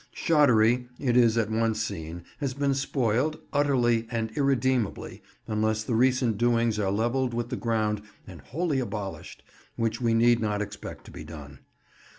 Shottery, it is at once seen, has been spoiled, utterly and irredeemably, unless the recent doings are levelled with the ground and wholly abolished—which we need not expect to be done.